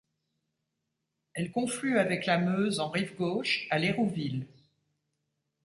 Elle conflue avec la Meuse en rive gauche, à Lérouville.